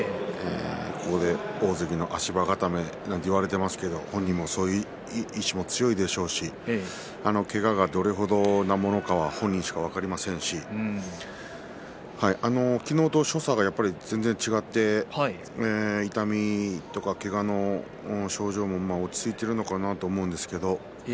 ここで大関の足場固めなんて言われてますけども本人も意志も強いですしけがなどどれくらいのものかは本人しか分かりませんけれども昨日と所作が全然と違って痛みとか、けがとか症状も落ち着いているのかなと思うんですね。